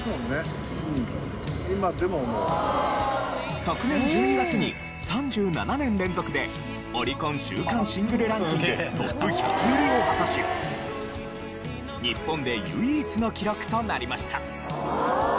昨年１２月に３７年連続でオリコン週間シングルランキングトップ１００入りを果たし日本で唯一の記録となりました。